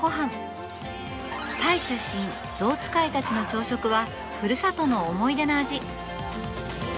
タイ出身、ゾウ使いたちの朝食はふるさとの思い出の味。